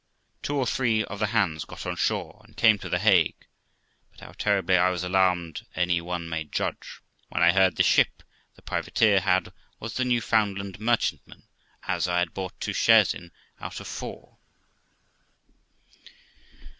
Two or three of the hands got on shore, and came to The Hague i but how terribly I was alarmed any one may judge, when I heard the ship the privateer had was the Newfoundland merchantman, as I had bought two shares in out of four.